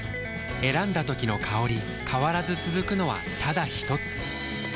選んだ時の香り変わらず続くのはただひとつ？